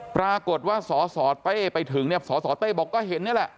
ปรากฏว่าสสเต้ไปถึงเนี่ยสสเต้บอกก็เห็นนี่แหละ